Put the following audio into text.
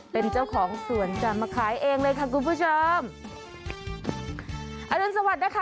เป็นเจ้าของสวนจะมาขายเองเลยค่ะคุณผู้ชมอรุณสวัสดิ์นะคะ